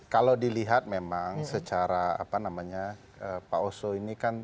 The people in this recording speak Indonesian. kalau dilihat memang secara apa namanya pak oso ini kan